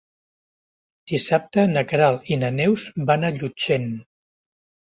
Dissabte na Queralt i na Neus van a Llutxent.